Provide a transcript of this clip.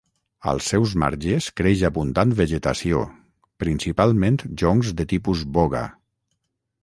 Als seus marges creix abundant vegetació, principalment joncs de tipus boga.